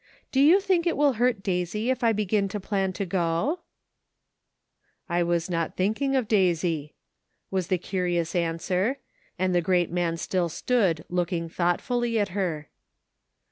Do you think it will hurt Daisy if I begin to plan to go ?"" I was not thinking of Daisy," was the curi ous answer, and the great man still stood look ing thoughtfully at her.